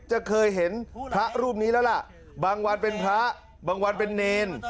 จะเคยเห็นพระรูปนี้แล้วล่ะบางวันเป็นพระบางวันเป็นเนร